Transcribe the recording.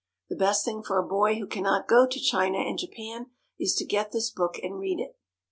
_ The best thing for a boy who cannot go to China and Japan is to get this book and read it.